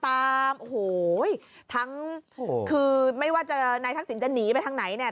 ตามโอ้โหทั้งโอ้โหคือไม่ว่าจะนายทักศิลป์จะหนีไปทางไหนเนี่ย